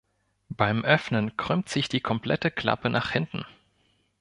Beim Öffnen krümmt sich die komplette Klappe nach hinten.